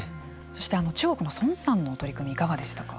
そして中国の孫さんの取り組みいかがでしたか？